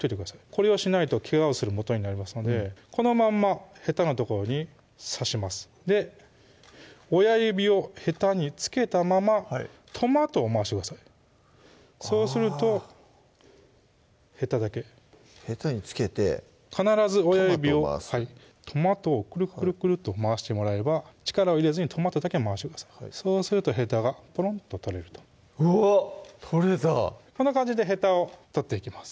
これをしないとけがをするもとになりますのでこのまんまヘタの所に刺しますで親指をヘタに付けたままトマトを回してくださいそうするとヘタだけヘタに付けて必ず親指をトマトを回すトマトをクルクルクルと回してもらえれば力を入れずにトマトだけ回してくださいそうするとヘタがポロンと取れるとうわっ取れたこんな感じでヘタを取っていきます